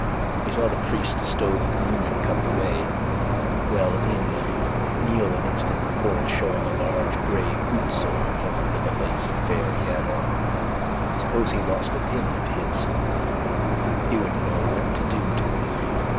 He saw the priest stow the communion cup away, well in, and kneel an instant before it, showing a large grey bootsole from under the lace affair he had on. Suppose he lost the pin of his. He wouldn't know what to do to.